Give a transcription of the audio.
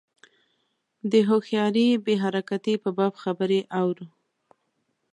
د هوښیاري بې حرکتۍ په باب خبرې اورو.